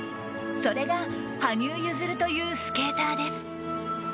それが羽生結弦というスケーターです。